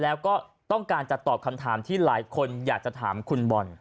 แล้วก็ต้องการจะตอบคำถามที่หลายคนอยากจะถามคุณบอล